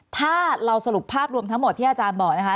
ถ้าเราสรุปภาพรวมทั้งหมดที่อาจารย์บอกนะคะ